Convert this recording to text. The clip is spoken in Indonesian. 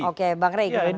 oke bang rega